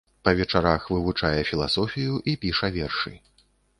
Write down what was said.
Па вечарах вывучае філасофію і піша вершы.